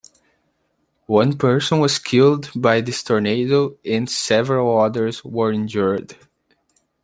One person was killed by this tornado, and several others were injured.